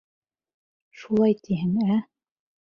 — Шулай тиһең, ә?